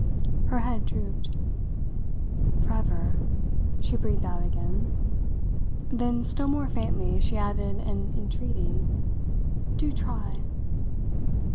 Her head drooped. "Forever," she breathed out again; then, still more faintly, she added an entreating: "Do try!"